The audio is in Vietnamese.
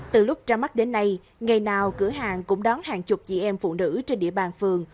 từ lúc ra mắt đến nay ngày nào cửa hàng cũng đón hàng chục chị em phụ nữ trên địa bàn phường